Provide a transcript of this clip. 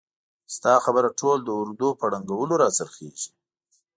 ستا خبره ټول د اردو په ړنګولو را څرخیږي!